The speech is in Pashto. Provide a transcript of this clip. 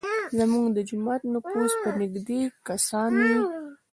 زموږ د جومات نفوس به نیږدی کسان وي.